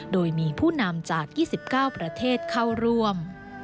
โดยมีผู้นำจาก๒๙ประเทศเข้าร่วม